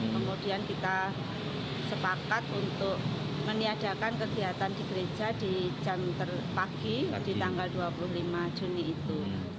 kemudian kita sepakat untuk meniadakan kegiatan di gereja di jam pagi di tanggal dua puluh lima juni itu